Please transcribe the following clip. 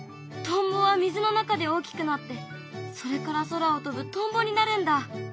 トンボは水の中で大きくなってそれから空を飛ぶトンボになるんだ。